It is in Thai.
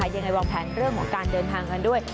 ยังไงวางแผนเรื่องของการเดินทางกันด้วย